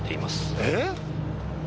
えっ！？